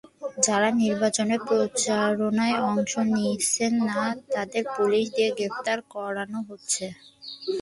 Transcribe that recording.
যাঁরা নির্বাচনী প্রচারণায় অংশ নিচ্ছেন না, তাঁদের পুলিশ দিয়ে গ্রেপ্তার করানো হচ্ছে।